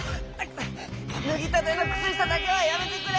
ぬぎたてのくつしただけはやめてくれ！